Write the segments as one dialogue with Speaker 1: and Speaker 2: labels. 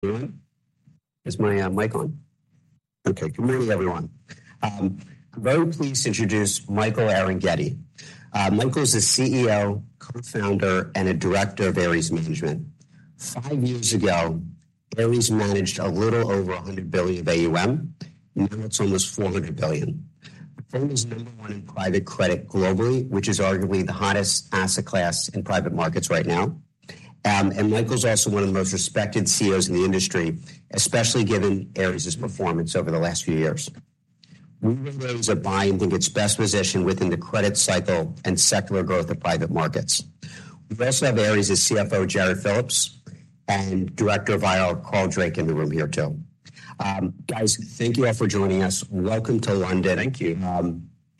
Speaker 1: Good morning, everyone. I'm very pleased to introduce Michael Arougheti. Michael is the CEO, Co-Founder, and a Director of Ares Management. Five years ago, Ares managed a little over $100 billion of AUM. Now it's almost $400 billion. The firm is number one in private credit globally, which is arguably the hottest asset class in private markets right now. And Michael's also one of the most respected CEOs in the industry, especially given Ares's performance over the last few years. We will raise a buy into its best position within the credit cycle and secular growth of private markets. We also have Ares's CFO, Jarrod Phillips, and Director of IR, Carl Drake, in the room here, too. Guys, thank you all for joining us. Welcome to London.
Speaker 2: Thank you.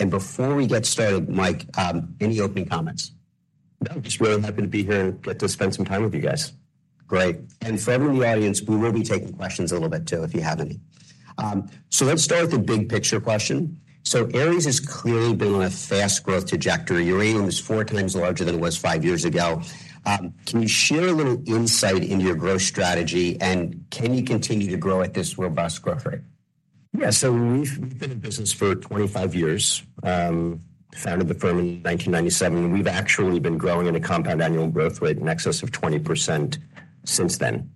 Speaker 1: Before we get started, Mike, any opening comments?
Speaker 2: No, I'm just really happy to be here and glad to spend some time with you guys.
Speaker 1: Great. For everyone in the audience, we will be taking questions a little bit, too, if you have any. Let's start with the big picture question. Ares has clearly been on a fast growth trajectory. Your AUM is four times larger than it was five years ago. Can you share a little insight into your growth strategy, and can you continue to grow at this robust growth rate?
Speaker 2: Yeah. So we've, we've been in business for 25 years, founded the firm in 1997. We've actually been growing at a compound annual growth rate in excess of 20% since then.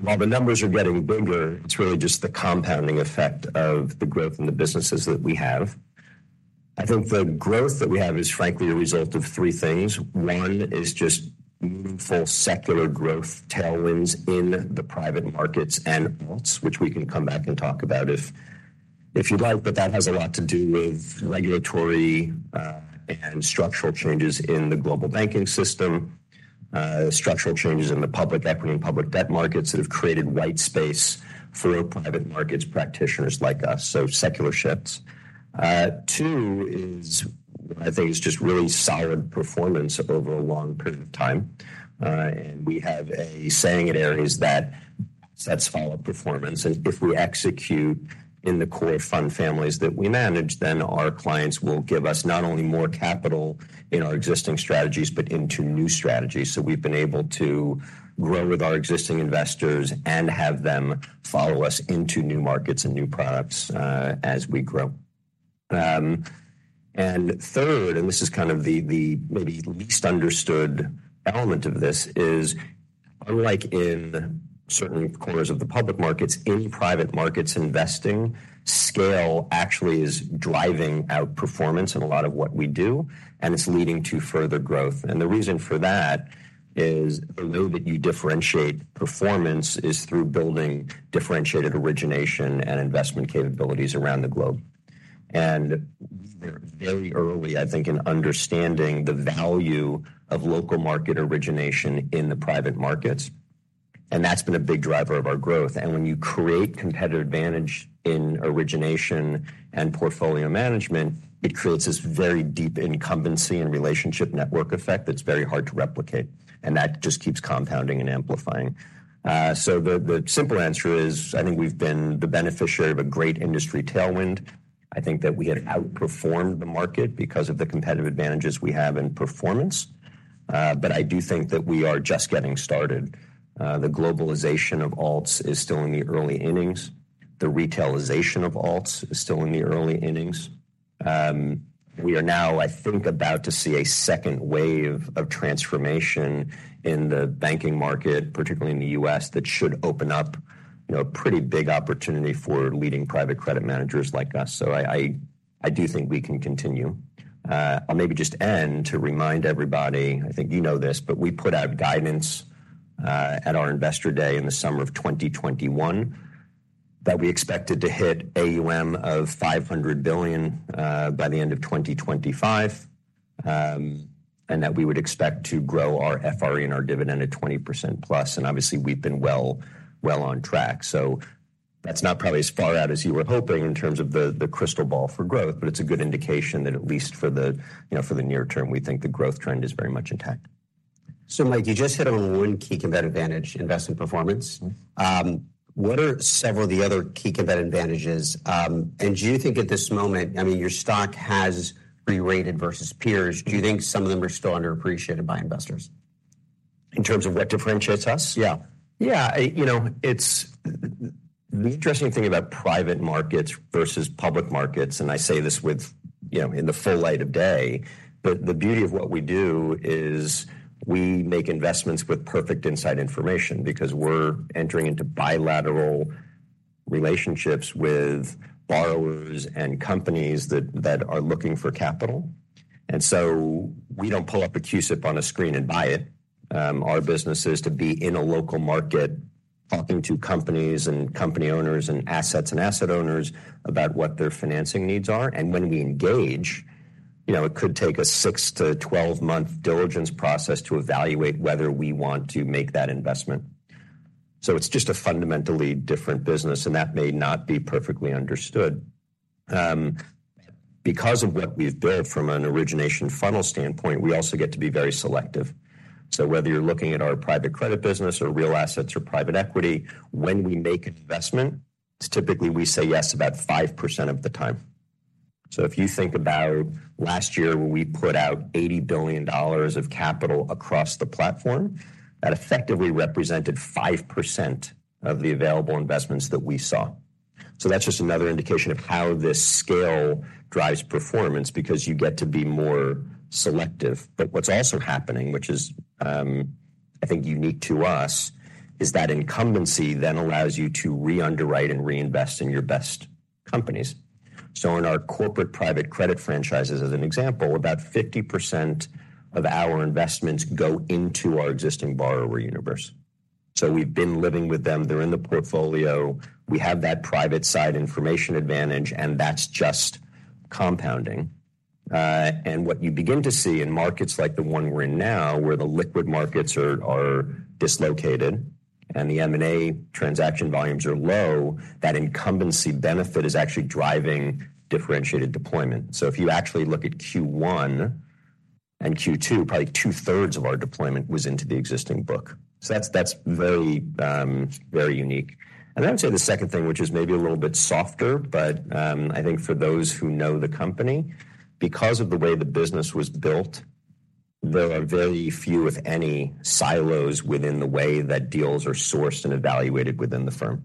Speaker 2: While the numbers are getting bigger, it's really just the compounding effect of the growth in the businesses that we have. I think the growth that we have is frankly a result of three things. One is just meaningful secular growth tailwinds in the private markets and alts, which we can come back and talk about if, if you'd like, but that has a lot to do with regulatory, and structural changes in the global banking system, structural changes in the public equity and public debt markets that have created white space for private markets practitioners like us, so secular shifts. Two is, I think it's just really solid performance over a long period of time. And we have a saying at Ares that assets follow performance. And if we execute in the core fund families that we manage, then our clients will give us not only more capital in our existing strategies, but into new strategies. So we've been able to grow with our existing investors and have them follow us into new markets and new products, as we grow. And third, and this is kind of the maybe least understood element of this, is unlike in certain corners of the public markets, in private markets, investing scale actually is driving outperformance in a lot of what we do, and it's leading to further growth. The reason for that is the way that you differentiate performance is through building differentiated origination and investment capabilities around the globe. We're very early, I think, in understanding the value of local market origination in the private markets, and that's been a big driver of our growth. When you create competitive advantage in origination and portfolio management, it creates this very deep incumbency and relationship network effect that's very hard to replicate, and that just keeps compounding and amplifying. The simple answer is, I think we've been the beneficiary of a great industry tailwind. I think that we have outperformed the market because of the competitive advantages we have in performance. I do think that we are just getting started. The globalization of alts is still in the early innings. The retailization of alts is still in the early innings. We are now, I think, about to see a second wave of transformation in the banking market, particularly in the U.S., that should open up, you know, a pretty big opportunity for leading private credit managers like us. So I do think we can continue. I'll maybe just intend to remind everybody, I think you know this, but we put out guidance at our Investor Day in the summer of 2021, that we expected to hit AUM of $500 billion by the end of 2025, and that we would expect to grow our FRE and our dividend at 20%+, and obviously, we've been well, well on track. That's not probably as far out as you were hoping in terms of the crystal ball for growth, but it's a good indication that at least for the, you know, for the near term, we think the growth trend is very much intact.
Speaker 1: So, Mike, you just hit on one key competitive advantage, investment performance.
Speaker 2: Mm-hmm.
Speaker 1: What are several of the other key competitive advantages? And do you think at this moment, I mean, your stock has re-rated versus peers? Do you think some of them are still underappreciated by investors?
Speaker 2: In terms of what differentiates us?
Speaker 1: Yeah.
Speaker 2: Yeah, you know, it's the interesting thing about private markets versus public markets, and I say this with, you know, in the full light of day, but the beauty of what we do is we make investments with perfect inside information because we're entering into bilateral relationships with borrowers and companies that, that are looking for capital. And so we don't pull up a CUSIP on a screen and buy it. Our business is to be in a local market, talking to companies and company owners, and assets and asset owners about what their financing needs are. And when we engage, you know, it could take a 6-12 months diligence process to evaluate whether we want to make that investment. So it's just a fundamentally different business, and that may not be perfectly understood. Because of what we've built from an origination funnel standpoint, we also get to be very selective. Whether you're looking at our private credit business or real assets or private equity, when we make investment, it's typically we say yes about 5% of the time. If you think about last year, where we put out $80 billion of capital across the platform, that effectively represented 5% of the available investments that we saw. That's just another indication of how this scale drives performance, because you get to be more selective. What's also happening, which is, I think, unique to us, is that incumbency then allows you to re-underwrite and reinvest in your best companies. In our corporate private credit franchises, as an example, about 50% of our investments go into our existing borrower universe. So we've been living with them. They're in the portfolio. We have that private side information advantage, and that's just compounding. And what you begin to see in markets like the one we're in now, where the liquid markets are, are dislocated and the M&A transaction volumes are low, that incumbency benefit is actually driving differentiated deployment. So, if you actually look at Q1 and Q2, probably 2/3 of our deployment was into the existing book. So that's very, very unique. And then I'd say the second thing, which is maybe a little bit softer, but, I think for those who know the company, because of the way the business was built, there are very few, if any, silos within the way that deals are sourced and evaluated within the firm.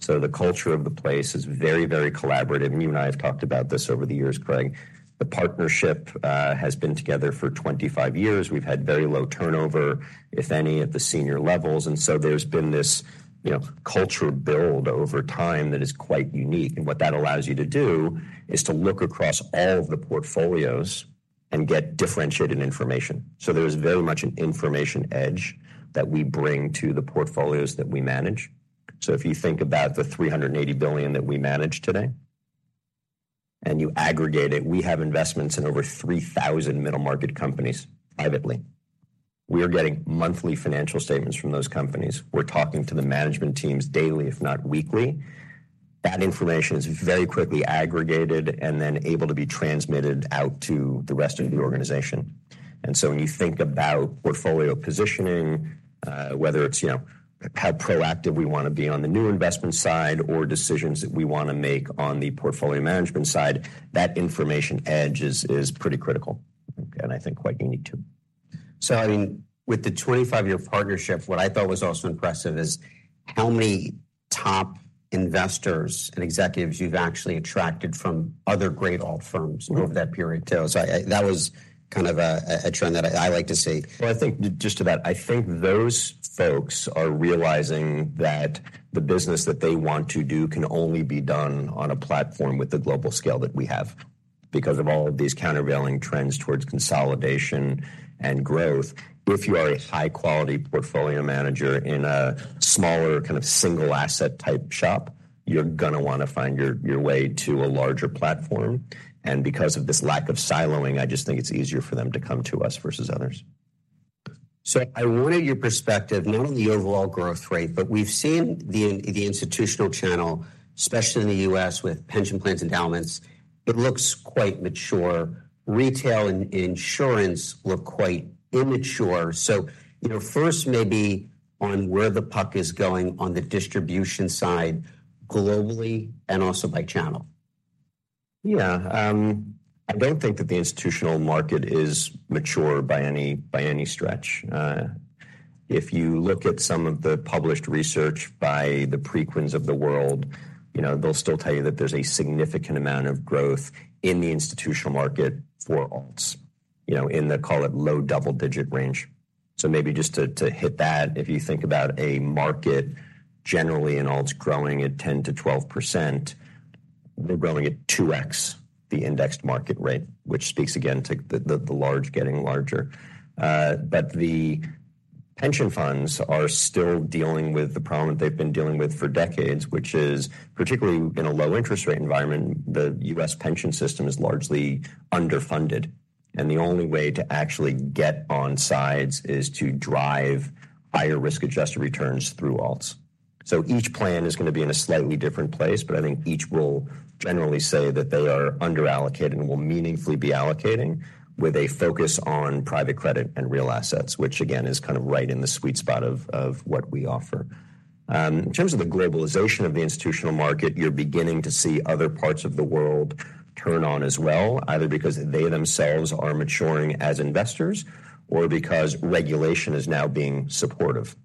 Speaker 2: So the culture of the place is very, very collaborative, and you and I have talked about this over the years, Craig. The partnership has been together for 25 years. We've had very low turnover, if any, at the senior levels, and so there's been this, you know, cultural build over time that is quite unique. And what that allows you to do is to look across all of the portfolios and get differentiated information. So there is very much an information edge that we bring to the portfolios that we manage. So if you think about the $380 billion that we manage today, and you aggregate it, we have investments in over 3,000 middle-market companies, privately. We are getting monthly financial statements from those companies. We're talking to the management teams daily, if not weekly. That information is very quickly aggregated and then able to be transmitted out to the rest of the organization. When you think about portfolio positioning, you know, whether it's how proactive we want to be on the new investment side or decisions that we want to make on the portfolio management side, that information edge is pretty critical, and I think quite unique, too.
Speaker 1: So, I mean, with the 25-year partnership, what I thought was also impressive is how many top investors and executives you've actually attracted from other great alt firms over that period, too. So I, that was kind of a trend that I like to see.
Speaker 2: Yeah, I think just to that, I think those folks are realizing that the business that they want to do can only be done on a platform with the global scale that we have. Because of all of these countervailing trends towards consolidation and growth, if you are a high-quality portfolio manager in a smaller, kind of, single asset type shop, you're gonna wanna find your, your way to a larger platform. Because of this lack of siloing, I just think it's easier for them to come to us versus others.
Speaker 1: So I wanted your perspective, not on the overall growth rate, but we've seen the institutional channel, especially in the U.S., with pension plans, endowments, it looks quite mature. Retail and insurance look quite immature. So, you know, first, maybe on where the puck is going on the distribution side, globally and also by channel.
Speaker 2: Yeah. I don't think that the institutional market is mature by any, by any stretch. If you look at some of the published research by the Preqin of the world, you know, they'll still tell you that there's a significant amount of growth in the institutional market for alts. You know, in the, call it, low double-digit range. So maybe just to hit that, if you think about a market, generally in alts growing at 10%-12%, they're growing at 2x the indexed market rate, which speaks again to the large getting larger. But the pension funds are still dealing with the problem that they've been dealing with for decades, which is particularly in a low interest rate environment, the U.S. pension system is largely underfunded, and the only way to actually get onside is to drive higher risk-adjusted returns through alts. So each plan is gonna be in a slightly different place, but I think each will generally say that they are underallocated and will meaningfully be allocating with a focus on private credit and real assets, which again, is kind of right in the sweet spot of what we offer. In terms of the globalization of the institutional market, you're beginning to see other parts of the world turn on as well, either because they themselves are maturing as investors or because regulation is now being supportive.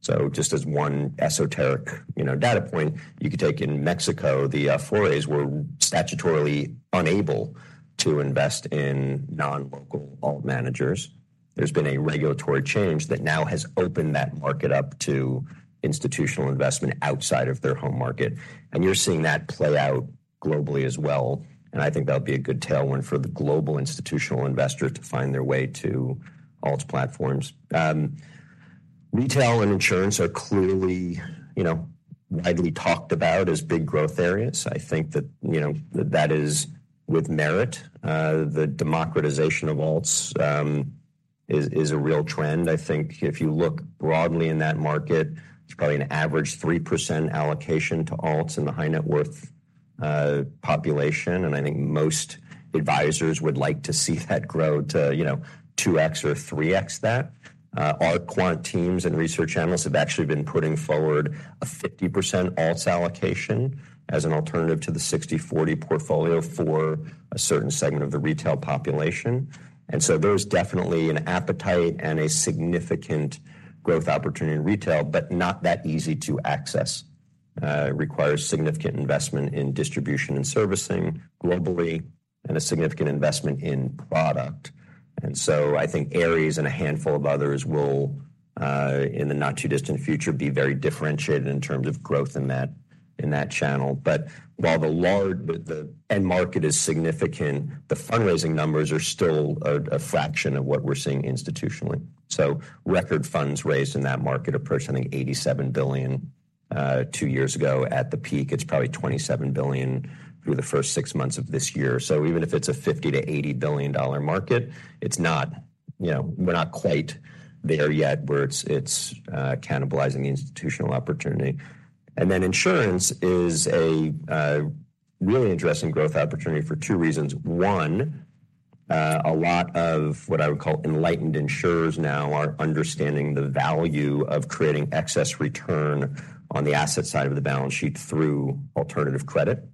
Speaker 2: So just as one esoteric, you know, data point, you could take in Mexico, the Afores were statutorily unable to invest in non-local alts managers. There's been a regulatory change that now has opened that market up to institutional investment outside of their home market, and you're seeing that play out globally as well. And I think that'll be a good tailwind for the global institutional investor to find their way to alts platforms. Retail and insurance are clearly, you know, widely talked about as big growth areas. I think that, you know, that is with merit. The democratization of alts is a real trend. I think if you look broadly in that market, it's probably an average 3% allocation to alts in the high net worth population, and I think most advisors would like to see that grow to, you know, 2x or 3x that. Our quant teams and research analysts have actually been putting forward a 50% alts allocation as an alternative to the 60/40 portfolio for a certain segment of the retail population. There's definitely an appetite and a significant growth opportunity in retail, but not that easy to access. It requires significant investment in distribution and servicing globally, and a significant investment in product. I think Ares and a handful of others will, in the not-too-distant future, be very differentiated in terms of growth in that, in that channel. While the end market is significant, the fundraising numbers are still a fraction of what we're seeing institutionally. Record funds raised in that market approached, I think, $87 billion, two years ago. At the peak, it's probably $27 billion through the first six months of this year. Even if it's a $50 billion-$80 billion market, you know, we're not quite there yet, where it's, it's cannibalizing the institutional opportunity. Insurance is a really interesting growth opportunity for two reasons. One, a lot of what I would call enlightened insurers now are understanding the value of creating excess return on the asset side of the balance sheet through alternative credit.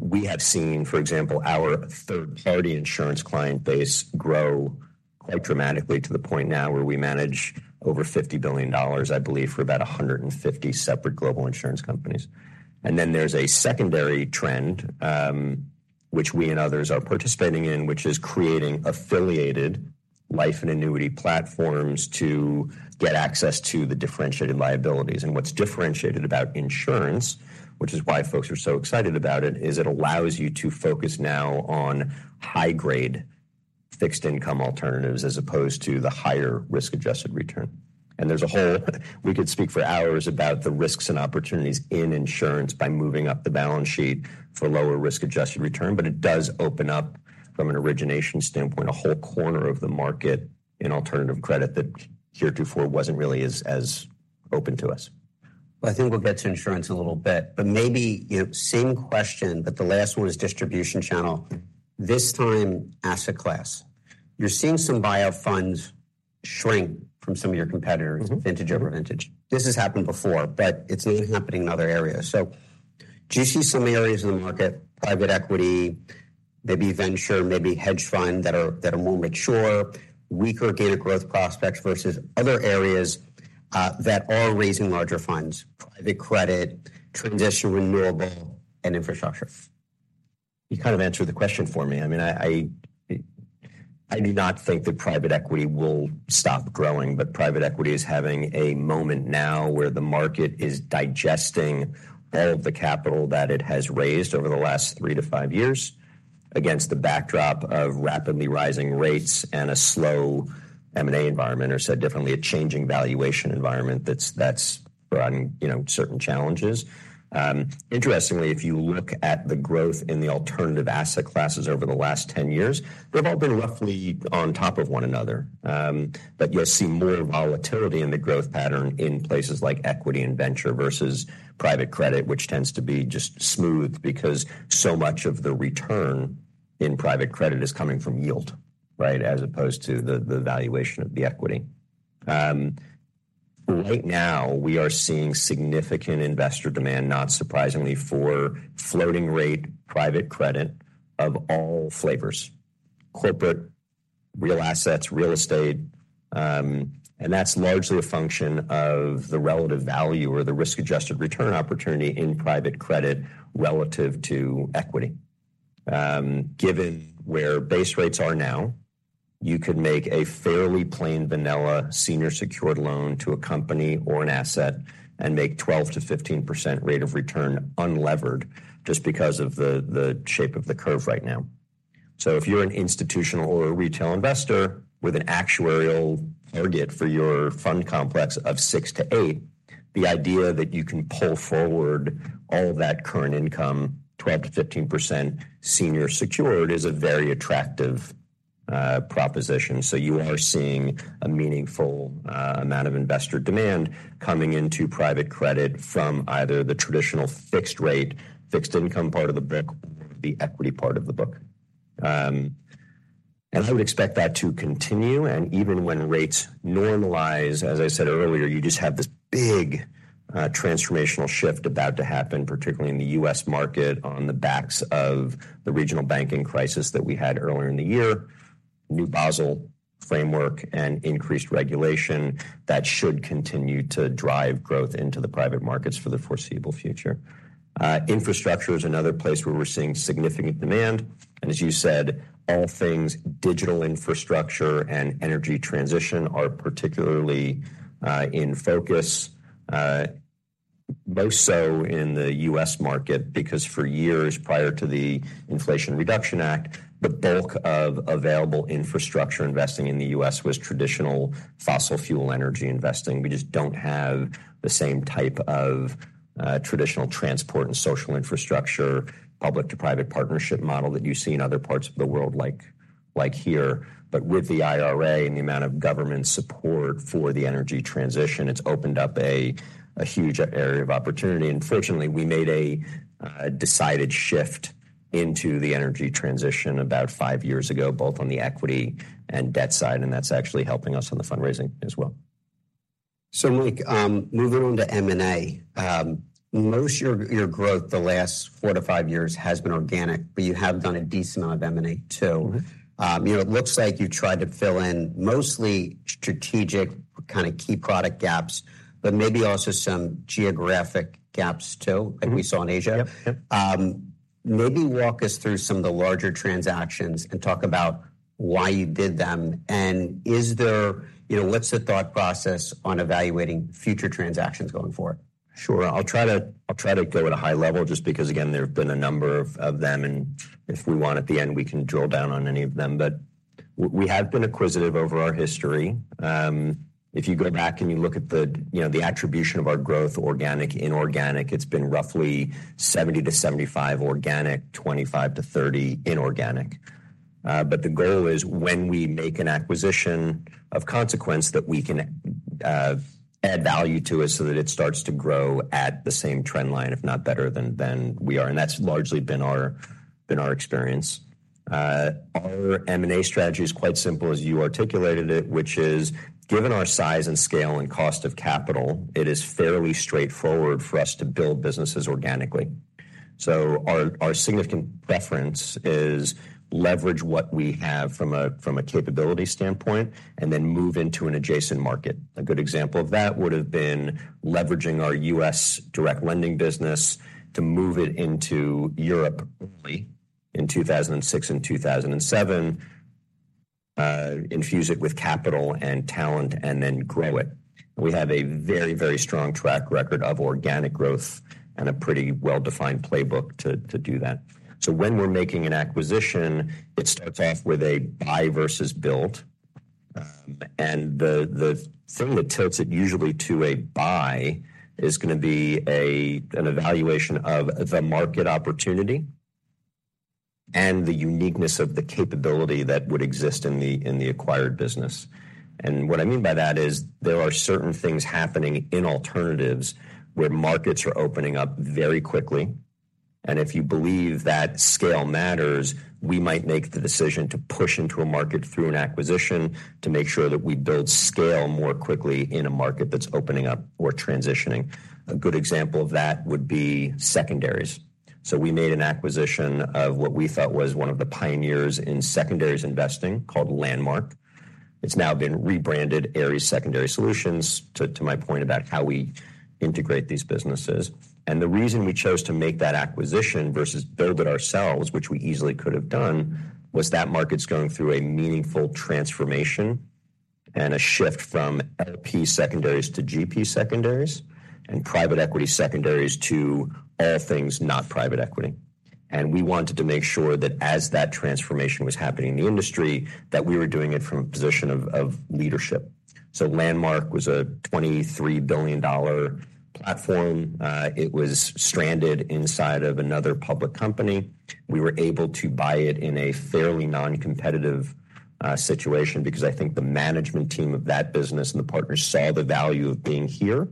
Speaker 2: We have seen, for example, our third-party insurance client base grow quite dramatically to the point now where we manage over $50 billion, I believe, for about 150 separate global insurance companies. And then there's a secondary trend, which we and others are participating in, which is creating affiliated life and annuity platforms to get access to the differentiated liabilities. And what's differentiated about insurance, which is why folks are so excited about it, is it allows you to focus now on high-grade fixed income alternatives as opposed to the higher risk-adjusted return. And there's a whole- we could speak for hours about the risks and opportunities in insurance by moving up the balance sheet for lower risk-adjusted return, but it does open up, from an origination standpoint, a whole corner of the market in alternative credit that heretofore wasn't really as, as open to us.
Speaker 1: Well, I think we'll get to insurance in a little bit, but maybe, you know, same question, but the last one is distribution channel, this time, asset class. You're seeing some buyer funds shrink from some of your competitors vintage over vintage. This has happened before, but it's even happening in other areas. So do you see some areas in the market, private equity, maybe venture, maybe hedge fund, that are more mature, weaker data growth prospects versus other areas, that are raising larger funds, private credit, transition, renewable, and infrastructure?
Speaker 2: You kind of answered the question for me. I mean, I do not think that private equity will stop growing, but private equity is having a moment now where the market is digesting all of the capital that it has raised over the last 3-5 years against the backdrop of rapidly rising rates and a slow M&A environment, or said differently, a changing valuation environment that's bringing, you know, certain challenges. Interestingly, if you look at the growth in the alternative asset classes over the last 10 years, they've all been roughly on top of one another. But you'll see more volatility in the growth pattern in places like equity and venture versus private credit, which tends to be just smooth because so much of the return in private credit is coming from yield, right? As opposed to the valuation of the equity. Right now, we are seeing significant investor demand, not surprisingly, for floating rate, private credit of all flavors: corporate, real assets, real estate. And that's largely a function of the relative value or the risk-adjusted return opportunity in private credit relative to equity. Given where base rates are now, you could make a fairly plain vanilla senior secured loan to a company or an asset and make 12%-15% rate of return unlevered just because of the shape of the curve right now. So if you're an institutional or a retail investor with an actuarial target for your fund complex of 6-8, the idea that you can pull forward all that current income, 12%-15% senior secured, is a very attractive proposition. You are seeing a meaningful amount of investor demand coming into private credit from either the traditional fixed rate, fixed income part of the book, or the equity part of the book. I would expect that to continue, and even when rates normalize, as I said earlier, you just have this big transformational shift about to happen, particularly in the U.S. market, on the backs of the regional banking crisis that we had earlier in the year, new Basel framework, and increased regulation that should continue to drive growth into the private markets for the foreseeable future. Infrastructure is another place where we're seeing significant demand, and as you said, all things digital infrastructure and energy transition are particularly, in focus, more so in the U.S. market, because for years prior to the Inflation Reduction Act, the bulk of available infrastructure investing in the U.S. was traditional fossil fuel energy investing. We just don't have the same type of traditional transport and social infrastructure, public to private partnership model that you see in other parts of the world like, like here, but with the IRA and the amount of government support for the energy transition, it's opened up a huge area of opportunity. Fortunately, we made a decided shift into the energy transition about five years ago, both on the equity and debt side, and that's actually helping us on the fundraising as well.
Speaker 1: So Mike, moving on to M&A. Most of your growth the last 4-5 years has been organic, but you have done a decent amount of M&A, too.
Speaker 2: Mm-hmm.
Speaker 1: You know, it looks like you tried to fill in mostly strategic, kind of key product gaps, but maybe also some geographic gaps, too, like we saw in Asia.
Speaker 2: Yep, yep.
Speaker 1: Maybe walk us through some of the larger transactions and talk about why you did them, and, you know, what's the thought process on evaluating future transactions going forward?
Speaker 2: Sure. I'll try to go at a high level, just because, again, there have been a number of them, and if we want, at the end, we can drill down on any of them. But we have been acquisitive over our history. If you go back and you look at the, you know, the attribution of our growth, organic, inorganic, it's been roughly 70-75 organic, 25-30 inorganic. But the goal is when we make an acquisition of consequence, that we can add value to it so that it starts to grow at the same trend line, if not better than we are, and that's largely been our experience. Our M&A strategy is quite simple, as you articulated it, which is, given our size and scale and cost of capital, it is fairly straightforward for us to build businesses organically. Our significant preference is leverage what we have from a capability standpoint, and then move into an adjacent market. A good example of that would have been leveraging our U.S. direct lending business to move it into Europe only in 2006 and 2007, infuse it with capital and talent and then grow it. We have a very, very strong track record of organic growth and a pretty well-defined playbook to do that. When we're making an acquisition, it starts off with a buy versus build. The thing that tilts it usually to a buy is gonna be an evaluation of the market opportunity and the uniqueness of the capability that would exist in the acquired business. What I mean by that is, there are certain things happening in alternatives where markets are opening up very quickly, and if you believe that scale matters, we might make the decision to push into a market through an acquisition to make sure that we build scale more quickly in a market that's opening up or transitioning. A good example of that would be secondaries. We made an acquisition of what we thought was one of the pioneers in secondaries investing, called Landmark. It's now been rebranded Ares Secondary Solutions, to my point about how we integrate these businesses. And the reason we chose to make that acquisition versus build it ourselves, which we easily could have done, was that market's going through a meaningful transformation and a shift from LP secondaries to GP secondaries and private equity secondaries to all things not private equity. And we wanted to make sure that as that transformation was happening in the industry, that we were doing it from a position of leadership. So Landmark was a $23 billion platform. It was stranded inside of another public company. We were able to buy it in a fairly non-competitive situation because I think the management team of that business and the partners saw the value of being here.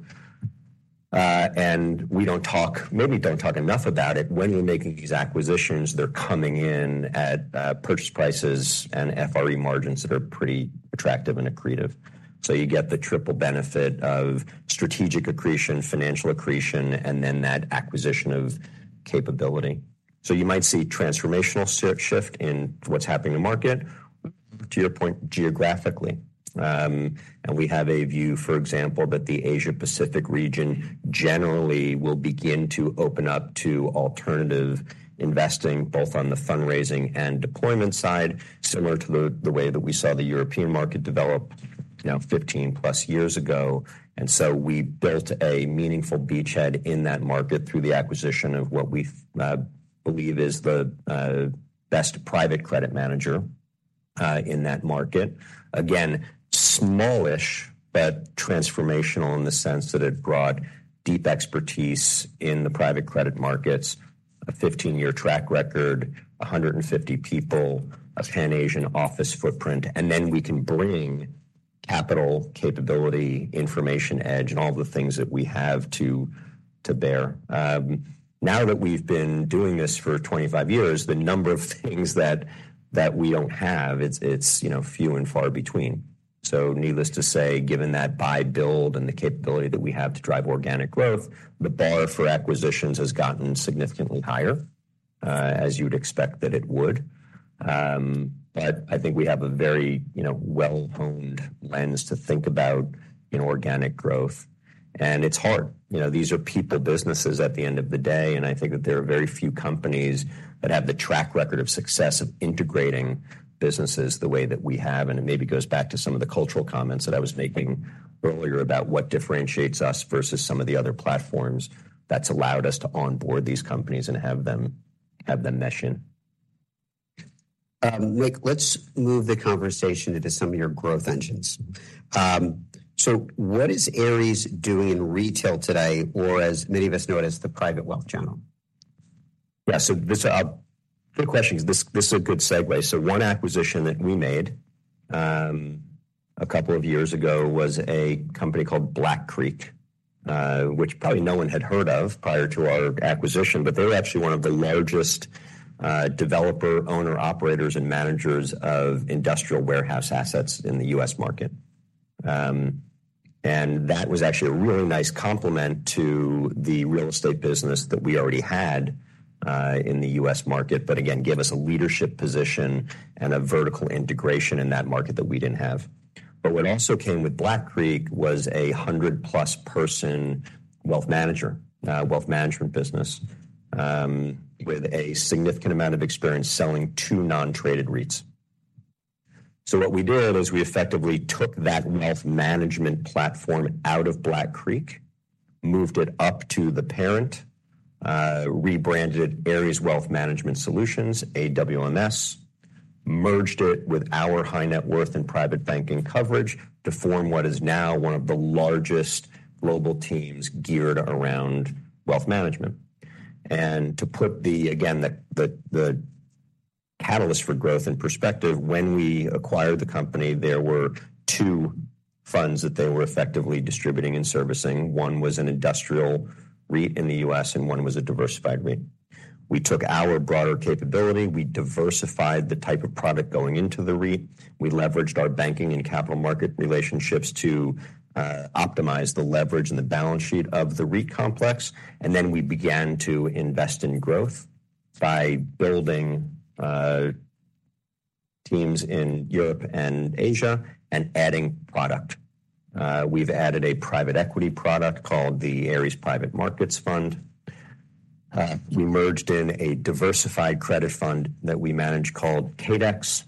Speaker 2: And we don't talk, maybe don't talk enough about it. When you're making these acquisitions, they're coming in at purchase prices and FRE margins that are pretty attractive and accretive. You get the triple benefit of strategic accretion, financial accretion, and then that acquisition of capability. You might see transformational shift in what's happening in the market, to your point, geographically. We have a view, for example, that the Asia-Pacific region generally will begin to open up to alternative investing, both on the fundraising and deployment side, similar to the way that we saw the European market develop, now, 15+ years ago. We built a meaningful beachhead in that market through the acquisition of what we believe is the best private credit manager in that market. Again, smallish, but transformational in the sense that it brought deep expertise in the private credit markets, a 15-year track record, 150 people, a pan-Asian office footprint, and then we can bring capital, capability, information edge, and all the things that we have to, to bear. Now that we've been doing this for 25 years, the number of things that, that we don't have, it's, it's, you know, few and far between. Needless to say, given that buy, build, and the capability that we have to drive organic growth, the bar for acquisitions has gotten significantly higher, as you'd expect that it would. I think we have a very, you know, well-honed lens to think about in organic growth, and it's hard. You know, these are people businesses at the end of the day, and I think that there are very few companies that have the track record of success of integrating businesses the way that we have. And it maybe goes back to some of the cultural comments that I was making earlier about what differentiates us versus some of the other platforms that's allowed us to onboard these companies and have them, have them mesh in.
Speaker 1: Let's move the conversation into some of your growth engines. So what is Ares doing in retail today, or as many of us know it, as the private wealth channel?
Speaker 2: Yeah, this is a good question, because this is a good segue. One acquisition that we made a couple of years ago was a company called Black Creek, which probably no one had heard of prior to our acquisition, but they're actually one of the largest developer, owner, operators, and managers of industrial warehouse assets in the U.S. market. That was actually a really nice complement to the real estate business that we already had in the U.S. market, again, gave us a leadership position and a vertical integration in that market that we didn't have. What also came with Black Creek was a 100+ person wealth management business with a significant amount of experience selling to non-traded REITs. So what we did is we effectively took that wealth management platform out of Black Creek, moved it up to the parent, rebranded it Ares Wealth Management Solutions, AWMS, merged it with our high net worth and private banking coverage to form what is now one of the largest global teams geared around wealth management. To put the, again, the catalyst for growth in perspective, when we acquired the company, there were two funds that they were effectively distributing and servicing. One was an industrial REIT in the U.S., and one was a diversified REIT. We took our broader capability, we diversified the type of product going into the REIT. We leveraged our banking and capital market relationships to optimize the leverage and the balance sheet of the REIT complex, and then we began to invest in growth by building teams in Europe and Asia and adding product. We've added a private equity product called the Ares Private Markets Fund. We merged in a diversified credit fund that we manage called CADEX.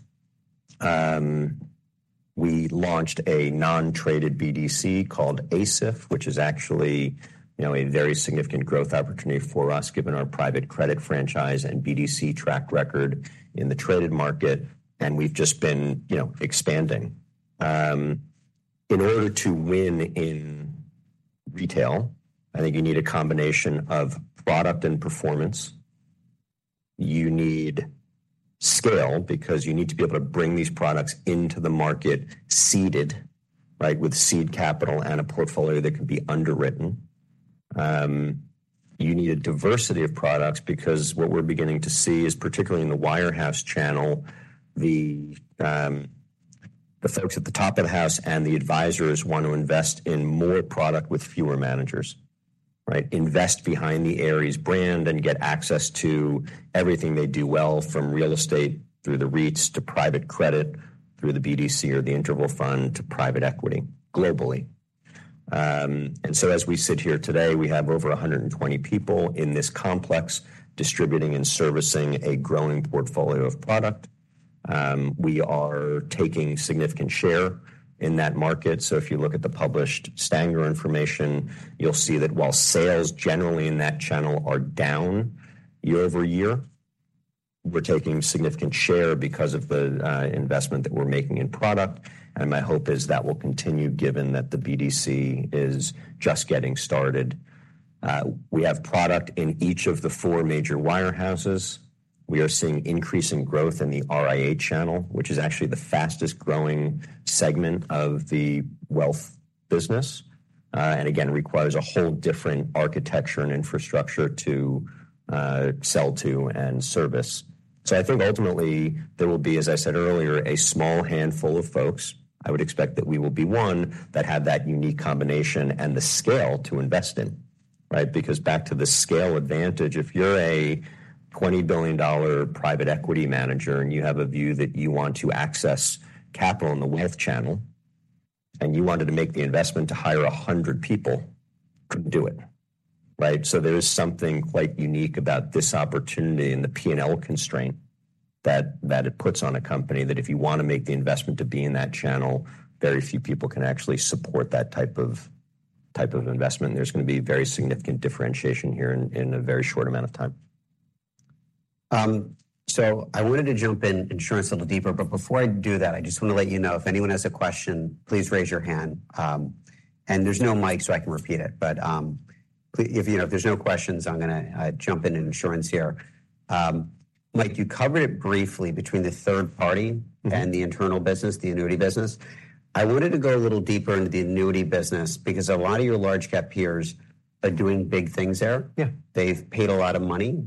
Speaker 2: We launched a non-traded BDC called ASIF, which is actually, you know, a very significant growth opportunity for us, given our private credit franchise and BDC track record in the traded market, and we've just been, you know, expanding. In order to win in retail, I think you need a combination of product and performance. You need scale because you need to be able to bring these products into the market seeded, right, with seed capital and a portfolio that can be underwritten. You need a diversity of products because what we're beginning to see is, particularly in the wirehouse channel, the folks at the top of the house and the advisors want to invest in more product with fewer managers, right? Invest behind the Ares brand and get access to everything they do well, from real estate through the REITs to private credit, through the BDC or the interval fund to private equity globally. And so as we sit here today, we have over 120 people in this complex, distributing and servicing a growing portfolio of product. We are taking significant share in that market. So if you look at the published Stanger information, you'll see that while sales generally in that channel are down year-over-year, we're taking significant share because of the investment that we're making in product, and my hope is that will continue given that the BDC is just getting started. We have product in each of the four major wirehouses. We are seeing increasing growth in the RIA channel, which is actually the fastest-growing segment of the wealth business, and again, requires a whole different architecture and infrastructure to sell to and service. So I think ultimately there will be, as I said earlier, a small handful of folks. I would expect that we will be one that have that unique combination and the scale to invest in, right? Because back to the scale advantage, if you're a $20 billion private equity manager, and you have a view that you want to access capital in the wealth channel, and you wanted to make the investment to hire 100 people, couldn't do it, right? So there is something quite unique about this opportunity and the P&L constraint that, that it puts on a company, that if you want to make the investment to be in that channel, very few people can actually support that type of, type of investment. There's going to be very significant differentiation here in, in a very short amount of time.
Speaker 1: So I wanted to jump in insurance a little deeper, but before I do that, I just want to let you know, if anyone has a question, please raise your hand. And there's no mic, so I can repeat it. But, if, you know, if there's no questions, I'm gonna jump in on insurance here. Mike, you covered it briefly between the third party and the internal business, the annuity business. I wanted to go a little deeper into the annuity business because a lot of your large cap peers are doing big things there.
Speaker 2: Yeah.
Speaker 1: They've paid a lot of money.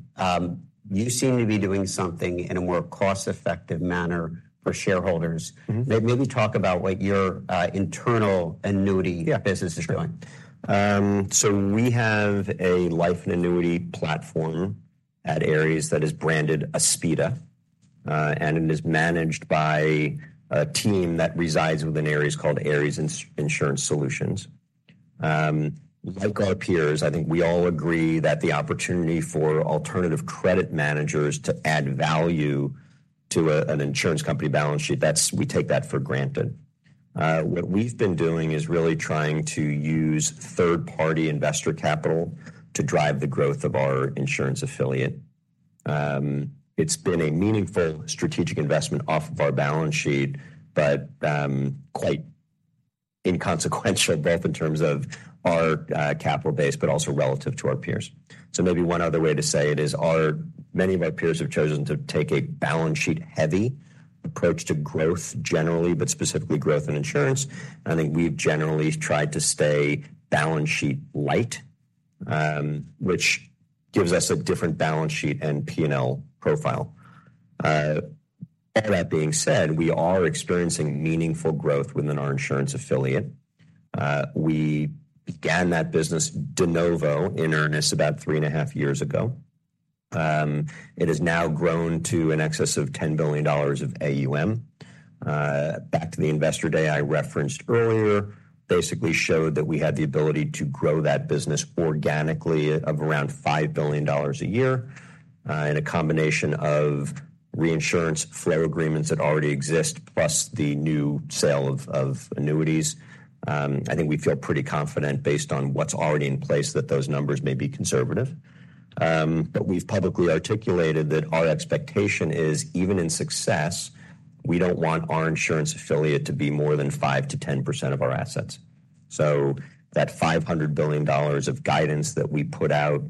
Speaker 1: You seem to be doing something in a more cost-effective manner for shareholders. Maybe talk about what your internal annuity business is doing.
Speaker 2: We have a life and annuity platform at Ares that is branded Aspida, and it is managed by a team that resides within Ares, called Ares Insurance Solutions. Like our peers, I think we all agree that the opportunity for alternative credit managers to add value to an insurance company balance sheet, that's—we take that for granted. What we've been doing is really trying to use third-party investor capital to drive the growth of our insurance affiliate. It's been a meaningful strategic investment off of our balance sheet, but quite inconsequential, both in terms of our capital base, but also relative to our peers. Maybe one other way to say it is many of our peers have chosen to take a balance sheet-heavy approach to growth generally, but specifically growth in insurance. I think we've generally tried to stay balance sheet light, which gives us a different balance sheet and P&L profile. All that being said, we are experiencing meaningful growth within our insurance affiliate. We began that business de novo, in earnest, about three and a half years ago. It has now grown to in excess of $10 billion of AUM. Back to the Investor Day I referenced earlier, basically showed that we had the ability to grow that business organically of around $5 billion a year, in a combination of reinsurance flow agreements that already exist, plus the new sale of, of annuities. I think we feel pretty confident based on what's already in place, that those numbers may be conservative. We've publicly articulated that our expectation is, even in success, we don't want our insurance affiliate to be more than 5%-10% of our assets. That $500 billion of guidance that we put out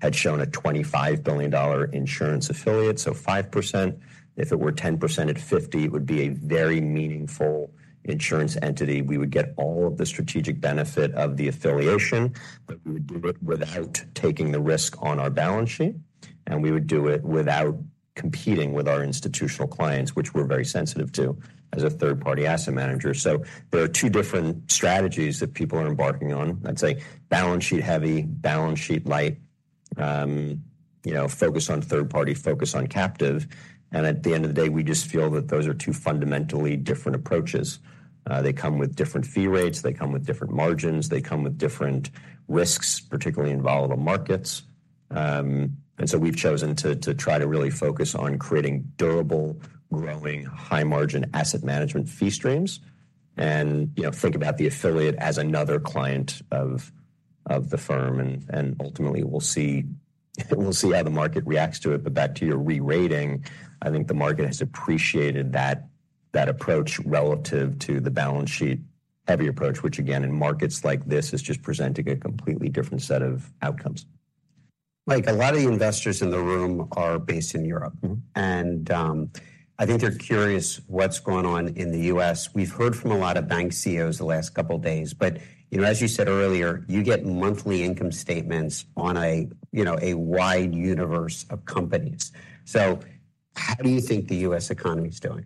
Speaker 2: had shown a $25 billion insurance affiliate, so 5%. If it were 10% at $50 billion, it would be a very meaningful insurance entity. We would get all of the strategic benefit of the affiliation, but we would do it without taking the risk on our balance sheet, and we would do it without competing with our institutional clients, which we're very sensitive to as a third-party asset manager. There are two different strategies that people are embarking on. I'd say balance sheet heavy, balance sheet light, you know, focus on third party, focus on captive, and at the end of the day, we just feel that those are two fundamentally different approaches. They come with different fee rates, they come with different margins, they come with different risks, particularly in volatile markets. And so we've chosen to try to really focus on creating durable, growing, high-margin asset management fee streams and, you know, think about the affiliate as another client of the firm. And ultimately, we'll see, we'll see how the market reacts to it. But back to your re-rating, I think the market has appreciated that approach relative to the balance sheet-heavy approach, which again, in markets like this, is just presenting a completely different set of outcomes.
Speaker 1: Mike, a lot of the investors in the room are based in Europe.
Speaker 2: Mm-hmm.
Speaker 1: I think they're curious what's going on in the U.S. We've heard from a lot of bank CEOs the last couple of days, but, you know, as you said earlier, you get monthly income statements on a, you know, a wide universe of companies. So how do you think the U.S. economy is doing?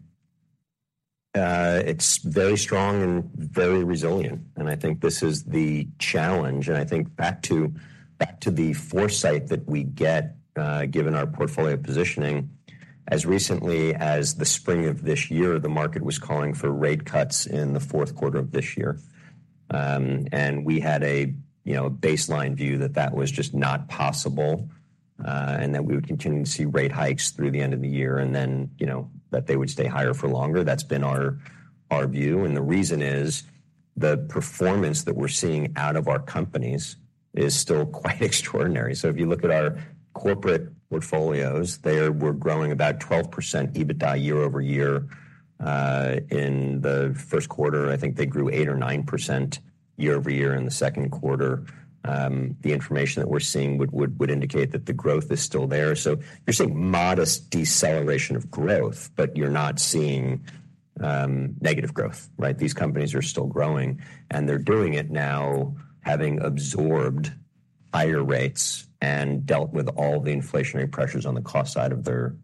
Speaker 2: It's very strong and very resilient, and I think this is the challenge. And I think back to, back to the foresight that we get, given our portfolio positioning, as recently as the spring of this year, the market was calling for rate cuts in the fourth quarter of this year. And we had a, you know, baseline view that that was just not possible, and that we would continue to see rate hikes through the end of the year and then, you know, that they would stay higher for longer. That's been our, our view. And the reason is, the performance that we're seeing out of our companies is still quite extraordinary. So if you look at our corporate portfolios, they were growing about 12% EBITDA year-over-year. In the first quarter, I think they grew 8% or 9% year-over-year. In the second quarter, the information that we're seeing would indicate that the growth is still there. So you're seeing modest deceleration of growth, but you're not seeing negative growth, right? These companies are still growing, and they're doing it now, having absorbed higher rates and dealt with all the inflationary pressures on the cost side of their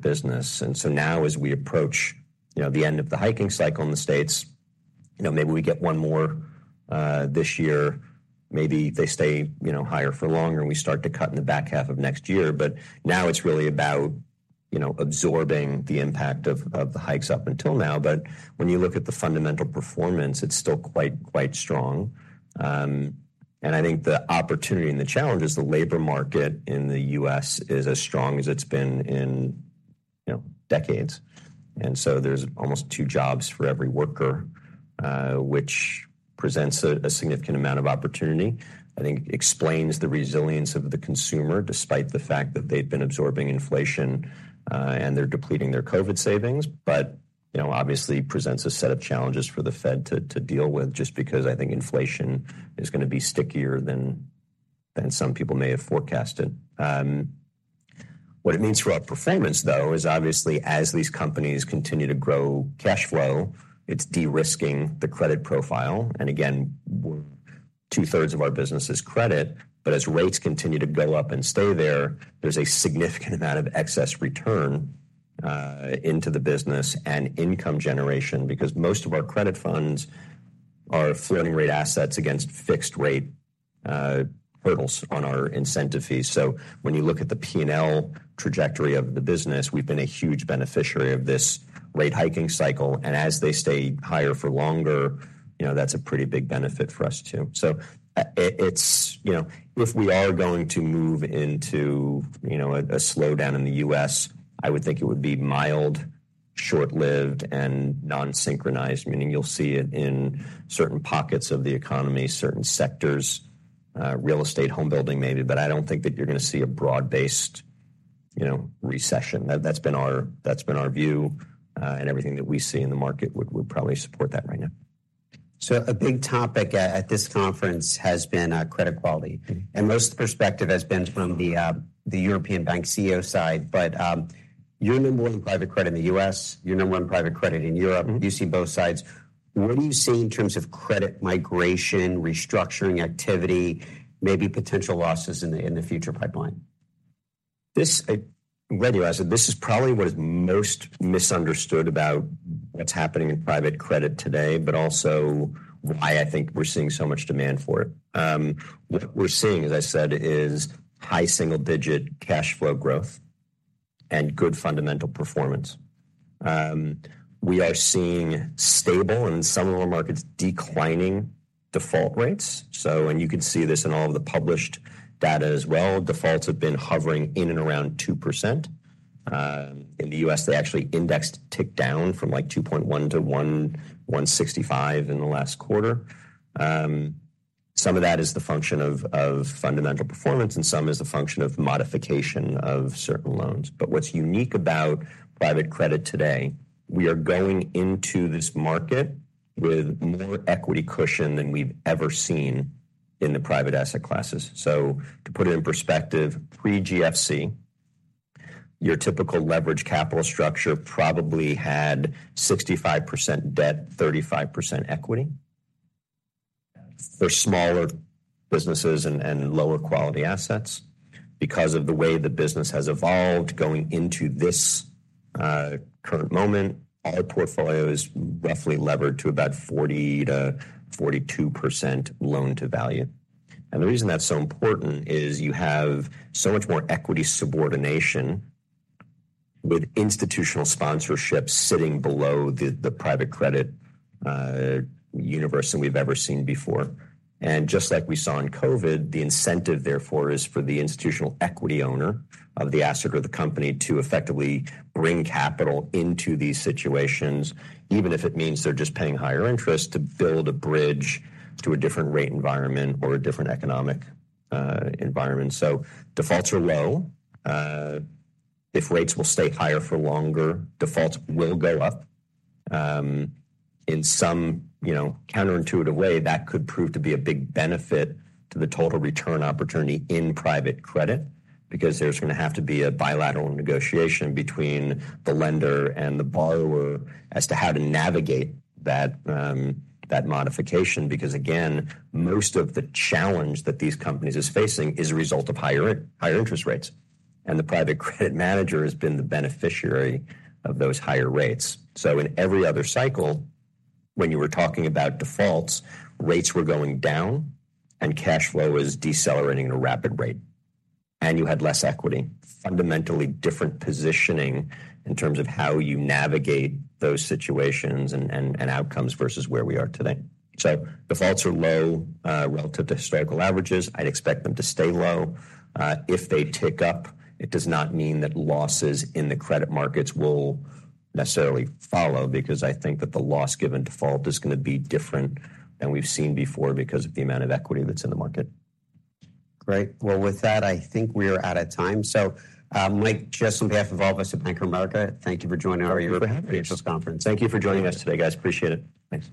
Speaker 2: business. And so now as we approach, you know, the end of the hiking cycle in the States, you know, maybe we get one more this year, maybe they stay, you know, higher for longer, and we start to cut in the back half of next year. But now it's really about, you know, absorbing the impact of the hikes up until now. But when you look at the fundamental performance, it's still quite, quite strong. And I think the opportunity and the challenge is the labor market in the U.S. is as strong as it's been in, you know, decades. And so there's almost 2 jobs for every worker, which presents a, a significant amount of opportunity. I think explains the resilience of the consumer, despite the fact that they've been absorbing inflation, and they're depleting their COVID savings. But, you know, obviously presents a set of challenges for the Fed to deal with, just because I think inflation is gonna be stickier than some people may have forecasted. What it means for our performance, though, is obviously, as these companies continue to grow cash flow, it's de-risking the credit profile. And again, 2/3 of our business is credit. But as rates continue to go up and stay there, there's a significant amount of excess return into the business and income generation, because most of our credit funds are floating-rate assets against fixed-rate hurdles on our incentive fees. So when you look at the P&L trajectory of the business, we've been a huge beneficiary of this rate hiking cycle, and as they stay higher for longer, you know, that's a pretty big benefit for us, too. So, it's, you know, if we are going to move into, you know, a slowdown in the U.S., I would think it would be mild, short-lived, and non-synchronized, meaning you'll see it in certain pockets of the economy, certain sectors, real estate, home building, maybe, but I don't think that you're gonna see a broad-based recession. That's been our view, and everything that we see in the market would probably support that right now.
Speaker 1: A big topic at this conference has been, credit quality.
Speaker 2: Mm-hmm.
Speaker 1: Most perspective has been from the European bank CEO side, but you're number one in private credit in the U.S., you're number one in private credit in Europe. You see both sides. What are you seeing in terms of credit migration, restructuring activity, maybe potential losses in the future pipeline?
Speaker 2: This, Craig, as I said, this is probably what is most misunderstood about what's happening in private credit today, but also why I think we're seeing so much demand for it. What we're seeing, as I said, is high single-digit cash flow growth and good fundamental performance. We are seeing stable and in some of our markets, declining default rates. And you can see this in all of the published data as well. Defaults have been hovering in and around 2%. In the U.S., they actually indexed tick down from, like, 2.1% to 1.165% in the last quarter. Some of that is the function of fundamental performance, and some is the function of modification of certain loans. But what's unique about private credit today, we are going into this market with more equity cushion than we've ever seen in the private asset classes. So to put it in perspective, pre-GFC, your typical leverage capital structure probably had 65% debt, 35% equity. For smaller businesses and lower quality assets, because of the way the business has evolved, going into this current moment, our portfolio is roughly levered to about 40%-42% loan-to-value. And the reason that's so important is you have so much more equity subordination with institutional sponsorship sitting below the private credit universe than we've ever seen before. Just like we saw in COVID, the incentive, therefore, is for the institutional equity owner of the asset or the company to effectively bring capital into these situations, even if it means they're just paying higher interest to build a bridge to a different rate environment or a different economic environment. So defaults are low. If rates will stay higher for longer, defaults will go up. In some, you know, counterintuitive way, that could prove to be a big benefit to the total return opportunity in private credit, because there's gonna have to be a bilateral negotiation between the lender and the borrower as to how to navigate that that modification. Because, again, most of the challenge that these companies is facing is a result of higher higher interest rates, and the private credit manager has been the beneficiary of those higher rates. So in every other cycle, when you were talking about defaults, rates were going down and cash flow was decelerating at a rapid rate, and you had less equity. Fundamentally different positioning in terms of how you navigate those situations and outcomes versus where we are today. So defaults are low, relative to historical averages. I'd expect them to stay low. If they tick up, it does not mean that losses in the credit markets will necessarily follow, because I think that the loss given default is gonna be different than we've seen before, because of the amount of equity that's in the market.
Speaker 1: Great. Well, with that, I think we are out of time. So, Mike, just on behalf of all of us at Bank of America, thank you for joining our conference.
Speaker 2: Thank you for having me.
Speaker 1: Thank you for joining us today, guys. Appreciate it, thanks.